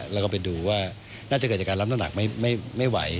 แล้วก็ไปดูว่าน่าจะเกิดจากการรับน้ำหนักไม่ไหว